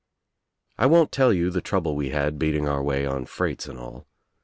I won't tell you the trouble we had beating our way on freights and all.